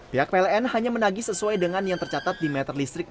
pihak pln hanya menagi sesuai dengan yang tercatat di meter listrik